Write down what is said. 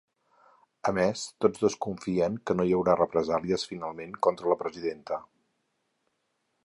A més, tots dos confien que no hi haurà represàlies finalment contra la presidenta.